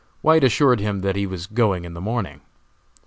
White assured him that he was going in the morning.